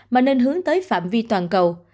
mà nên hướng tới phạm vi toàn cầu